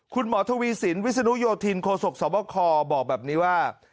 คุณหมอทวีสินวิศนุโยธินโคศกสวบคบอกแบบนี้ว่า